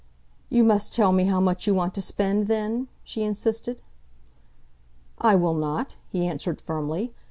"You must tell me how much you want to spend, then?" she insisted. "I will not," he answered firmly.